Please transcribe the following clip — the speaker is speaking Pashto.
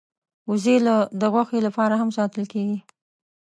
وزې د غوښې لپاره هم ساتل کېږي